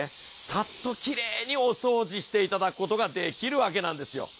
サッときれいにお掃除いただくことができるわけなんですよ。